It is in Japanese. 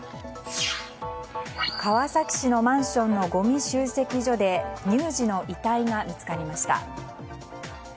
川崎市のマンションのごみ集積所で乳児の遺体が見つかりました。